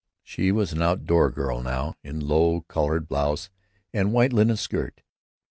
She was an outdoor girl now, in low collared blouse and white linen skirt.